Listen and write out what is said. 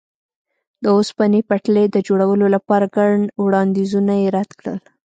د اوسپنې پټلۍ د جوړولو لپاره ګڼ وړاندیزونه یې رد کړل.